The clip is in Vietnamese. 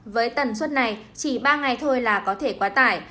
với tần suất này chỉ ba ngày thôi là có thể quá tải